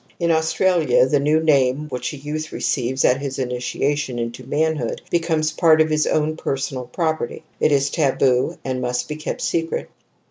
In Australia the new name which a youth receives at his initiation into manhood becomes part of his most personal property, it is taboo and must be kept secret.